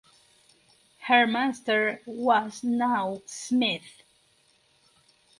Her master was now Smith.